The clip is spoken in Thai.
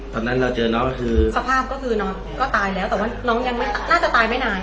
ตอนนั้นเราเจอน้องก็คือสภาพก็คือน้องก็ตายแล้วแต่ว่าน้องยังน่าจะตายไม่นาน